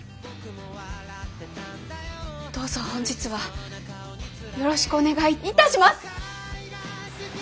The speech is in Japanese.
どうぞ本日はよろしくお願いいたします！